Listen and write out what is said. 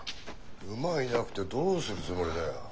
馬がいなくてどうするつもりだよ。